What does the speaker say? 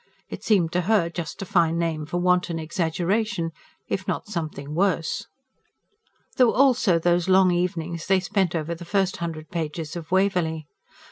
It seemed to her just a fine name for wanton exaggeration if not something worse. There were also those long evenings they spent over the first hundred pages of WAVERLEY.